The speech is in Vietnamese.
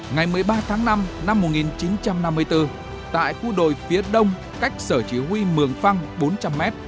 ngày một mươi ba tháng năm năm một nghìn chín trăm năm mươi bốn tại khu đồi phía đông cách sở chỉ huy mường phăng bốn trăm linh m